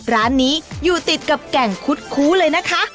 ร้านนี้อยู่ติดกับแก่งคุดคู้เลยนะคะ